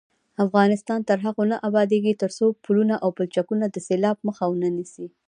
افغانستان تر هغو نه ابادیږي، ترڅو پلونه او پلچکونه د سیلاب مخه ونه نیسي.